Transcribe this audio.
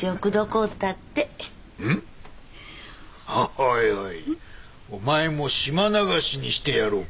おいおいお前も島流しにしてやろうか。